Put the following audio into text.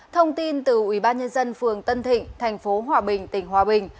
thông tin từ ubnd phường tân thịnh tp hòa bình tỉnh hòa bình